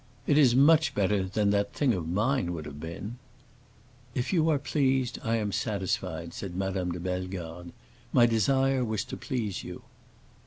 It is much better than that thing of mine would have been." "If you are pleased I am satisfied," said Madame de Bellegarde. "My desire was to please you."